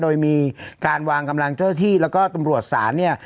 โดยมีการวางกำลังเจ้าที่แล้วก็ตำรวจศาลเนี่ย